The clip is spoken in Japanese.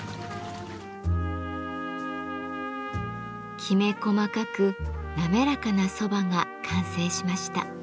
きめ細かく滑らかな蕎麦が完成しました。